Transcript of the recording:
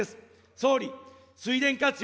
総理、水田活用